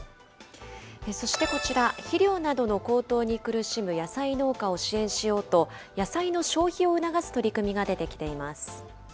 そしてこちら、肥料などの高騰に苦しむ野菜農家を支援しようと、野菜の消費を促す取り組みが出てきています。